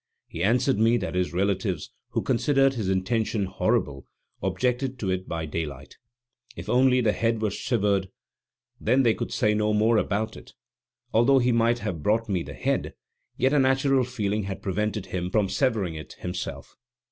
He answered me that his relatives, who considered his intention horrible, objected to it by daylight; if only the head were severed, then they could say no more about it; although he might have brought me the head, yet a natural feeling had prevented him from severing it himself.